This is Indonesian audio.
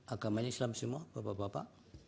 agamanya islam semua bapak bapak